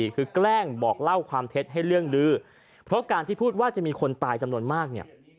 คือแกล้งบอกเล่าความเท็จให้เรื่องดื้อเพราะการที่พูดว่าจะมีคนตายจำนวนมากเนี่ย